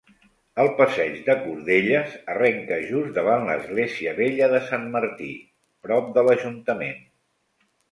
El passeig de Cordelles arrenca just davant l'església vella de Sant Martí, prop de l'Ajuntament.